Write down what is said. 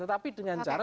tetapi dengan cara